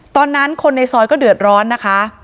ตอนนั้นคนในซอยก็เดือดร้อนนะคะ